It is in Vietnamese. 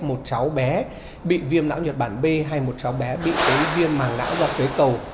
một cháu bé bị viêm não nhật bản b hay một cháu bé bị cái viêm mảng não do phế cầu